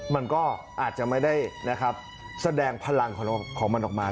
มันก็อาจจะไม่ได้นะครับแสดงพลังของมันออกมา